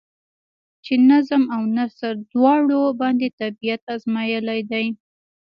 چې نظم او نثر دواړو باندې طبېعت ازمائېلے دے ۔